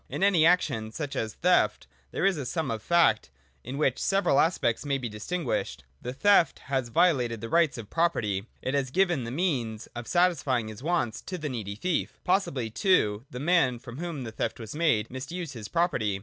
In any action, such as a theft, there is a sum of fact in which several aspects may be distin guished. The theft has violated the rights of property : it has given the means of satisfying his wants to the needy thief: possibly too the man, from whom the theft was made, misused his property.